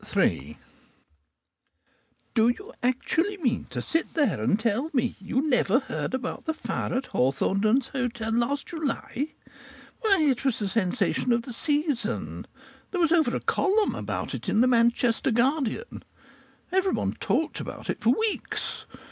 III Do you actually mean to sit there and tell me you never heard about the fire at Hawthornden's Hotel last July? Why, it was the sensation of the season. There was over a column about it in the Manchester Guardian. Everybody talked of it for weeks....